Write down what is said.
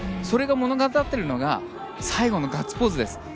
それが物語っているのが最後のガッツポーズです。